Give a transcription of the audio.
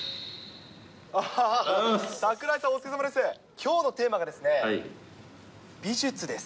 きょうのテーマがですね、美術です。